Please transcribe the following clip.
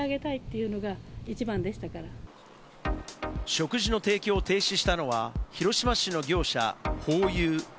食事の提供を停止したのは、広島市の業者・ホーユー。